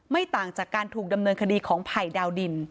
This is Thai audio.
ต่างจากการถูกดำเนินคดีของไผ่ดาวดิน